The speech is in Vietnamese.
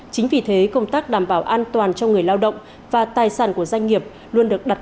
chính vì thế công tác đảm bảo an toàn cho người lao động và tài sản của doanh nghiệp luôn được đặt